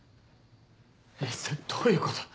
それどういうこと？